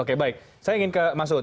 oke baik saya ingin ke mas un